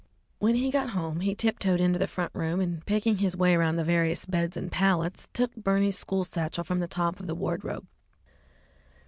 When he got home, he tiptoed into the front room, and picking his way around the various beds and pallets, took Berney's school satchel from the top of the wardrobe.